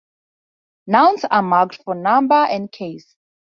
Nouns are marked for number and case.